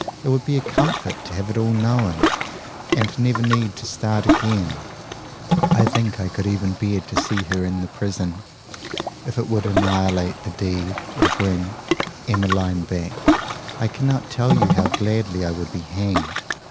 It would be a comfort to have it all known, and never need to start again. I think I could even bear to see her in the prison. If it would annihilate the deed, or bring Emmeline back, I cannot tell you how gladly I would be hanged.